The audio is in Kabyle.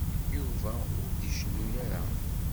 Yuba ur d-icennu ara.